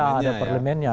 iya ada di parlemennya